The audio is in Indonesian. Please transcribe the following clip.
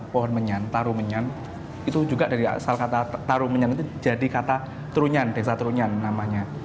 pohon menyan taruh menyan itu juga dari asal kata taruh menyan itu jadi kata trunjan desa trunjan namanya